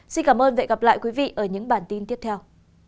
xin cảm ơn và hẹn gặp lại quý vị ở những bản tin tiếp theo